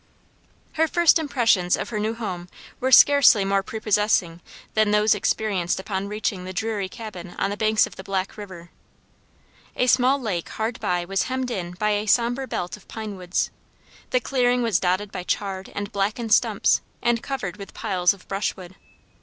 Her first impressions of her new home were scarcely more prepossessing than those experienced upon reaching the dreary cabin on the banks of the Black river. A small lake hard by was hemmed in by a somber belt of pine woods. The clearing was dotted by charred and blackened stumps, and covered with piles of brushwood.